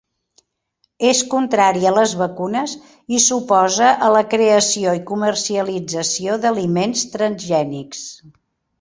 És contrari a les vacunes i s'oposa a la creació i comercialització d'aliments transgènics.